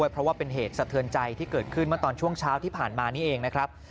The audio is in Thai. เพราะว่าเป็นเหตุสะเทือนใจที่เกิดขึ้นเมื่อตอนช่วงเช้าที่ผ่านมานี้เองนะครับ